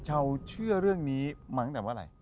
ชาวเชื่อเรื่องนี้มั้งแต่ว่าไหน